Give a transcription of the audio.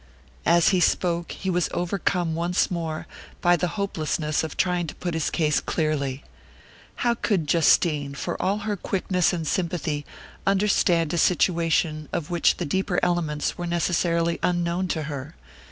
As he spoke, he was overcome once more by the hopelessness of trying to put his case clearly. How could Justine, for all her quickness and sympathy, understand a situation of which the deeper elements were necessarily unknown to her?